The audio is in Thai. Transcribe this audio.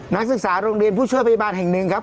นักศึกษาโรงเรียนผู้ช่วยพยาบาลแห่งหนึ่งครับ